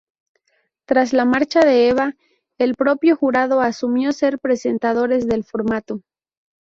Tras la marcha de Eva, el propio jurado asumió ser presentadores del formato.